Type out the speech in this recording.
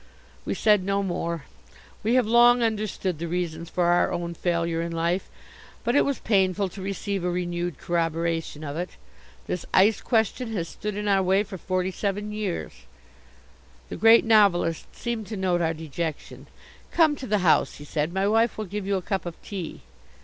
We said no more. We have long understood the reasons for our own failure in life, but it was painful to receive a renewed corroboration of it. This ice question has stood in our way for forty seven years. The Great Novelist seemed to note our dejection. "Come to the house," he said, "my wife will give you a cup of tea."